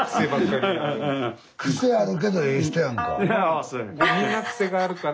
クセあるけどええ人やんか。